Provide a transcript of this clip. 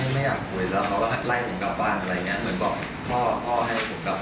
มาเพื่อน